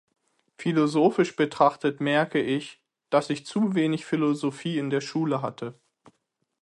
Philosophisch betrachtet merke ich, dass ich zu wenig Philosophie in der Schule hatte.